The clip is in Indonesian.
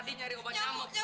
lupa lupa lupa